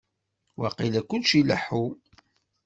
Waqil kullec ileḥḥu.